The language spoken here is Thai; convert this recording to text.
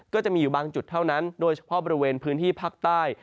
ก็จะมีอยู่บางจุดเท่านั้นโดยเฉพาะบริเวณพื้นที่ภาคใต้